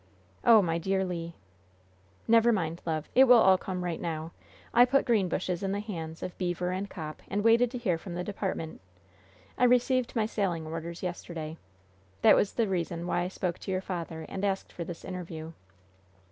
"Oh, my dear Le!" "Never mind, love. It will all come right now. I put Greenbushes in the hands of Beever and Copp, and waited to hear from the department. I received my sailing orders yesterday. That was the reason why I spoke to your father and asked for this interview."